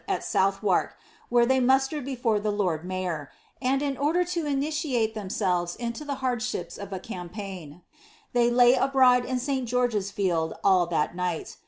at Southwark, where they moaterad brfore the lord mayor; and in order to initiate themselves into tba hardships of a campaign, they lay abroad in St. Geo^'s Fields all that night.